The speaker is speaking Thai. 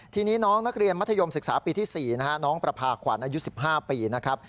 ทีนี้น้องนักเรียนมัธยมศึกษาปีที่๔นะฮะน้องประพาขวัญอายุ๑๕ปีนะครับ